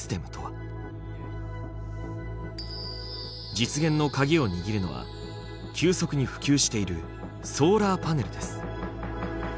実現の鍵を握るのは急速に普及しているソーラーパネルです。